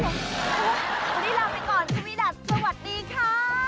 วันนี้ลาไปก่อนคุณวิดัทสวัสดีค่ะ